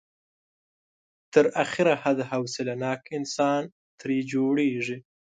تر اخري حده حوصله ناک انسان ترې جوړېږي.